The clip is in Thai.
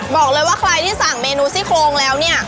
บอกเลยว่าใครที่สั่งเมนูซี่โครงแล้วเนี่ย